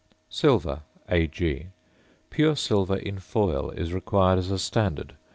~Silver~, Ag. Pure silver in foil is required as a standard.